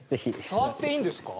触っていいんですか？